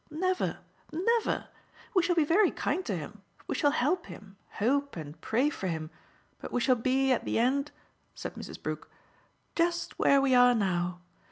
"Never, never. We shall be very kind to him, we shall help him, hope and pray for him, but we shall be at the end," said Mrs. Brook, "just where we are now.